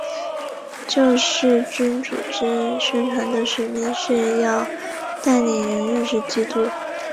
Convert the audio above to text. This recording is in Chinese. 救世军组织宣传的使命是要带领人认识基督。